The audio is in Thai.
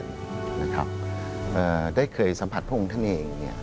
ได้เห็นนะครับเอ่อได้เคยสัมผัสพระองค์ท่านเองเนี่ย